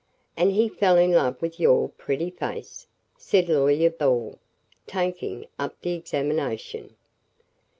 "And he fell in love with your pretty face?" said Lawyer Ball, taking up the examination.